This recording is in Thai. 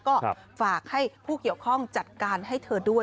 ก็ฝากให้ผู้เกี่ยวข้องจัดการให้เธอด้วย